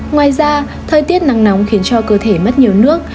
ngoài ra thời tiết nắng nóng khiến cho cơ thể mất nhiều nước